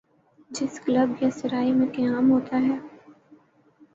جس کلب یا سرائے میں قیام ہوتا ہے۔